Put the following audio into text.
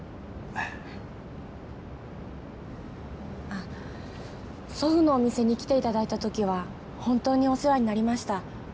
あ祖父のお店に来ていただいた時は本当にお世話になりました。